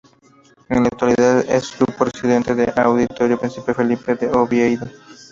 En la actualidad, es grupo residente del Auditorio Príncipe Felipe de Oviedo.